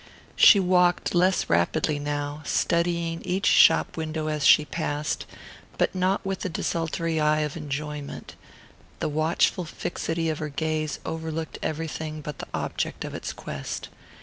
She walked less rapidly now, studying each shop window as she passed, but not with the desultory eye of enjoyment: the watchful fixity of her gaze overlooked everything but the object of its quest.